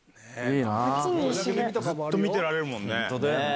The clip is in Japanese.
ずっと見てられるもんね。